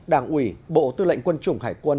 đảng ủy bộ tư lệnh quân chủng hải quân